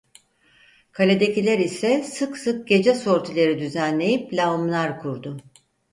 Kaledekiler ise sık sık gece sortileri düzenleyip lağımlar kurdu.